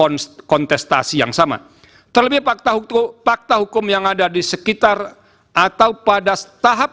pada lapangan kontestasi yang sama terlebih fakta hukum yang ada di sekitar atau pada tahap